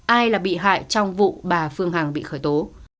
ai là bị hại trong vụ bà phương hằng bị khởi tố